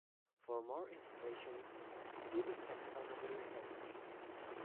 For more information, see the taxonomy of wheat.